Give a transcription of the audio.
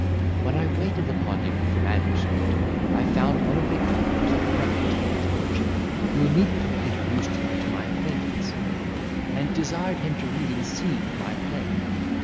"When I waited upon him with the manuscript, I found one of the actors at breakfast with his lordship, who immediately introduced him to my acquaintance, and desired him to read a scene of my play.